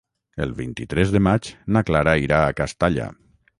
El vint-i-tres de maig na Clara irà a Castalla.